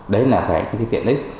đấy là cái tiện ích